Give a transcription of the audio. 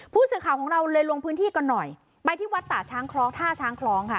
ผู้สื่อข่าวของเราเลยลงพื้นที่กันหน่อยไปที่วัดป่าช้างคล้องท่าช้างคล้องค่ะ